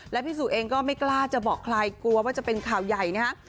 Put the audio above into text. และพี่สุเองก็ไม่กล้าจะบอกใครกลัวว่าจะเป็นข่าวใหญ่นะฮะ